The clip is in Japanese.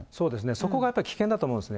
そこがやっぱり危険だと思うんですね。